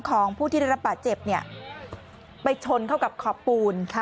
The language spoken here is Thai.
ของผู้ที่ได้รับบาดเจ็บไปชนเข้ากับขอบปูน